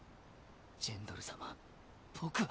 ジェンドル様僕は。